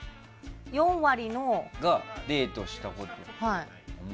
４割がデートしたことがない。